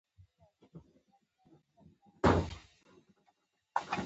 د خدای عالم ټول راټول شول.